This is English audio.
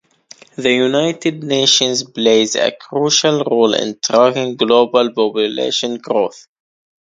The United Nations plays a crucial role in tracking global population growth.